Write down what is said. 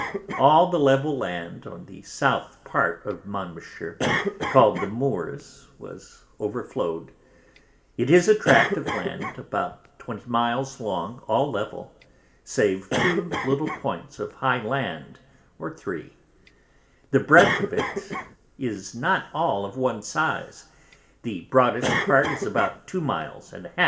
All the level Land on the South part of Monmouthshire, called the Moors, was overflow'd; it is a tract of Land about 20 miles long, all Level, save 2 little points of High land, or 3; the Breadth of it is not all of one size, the broadest part is about 2 miles and ½.